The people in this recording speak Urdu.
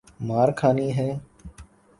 مار کھانی ہے؟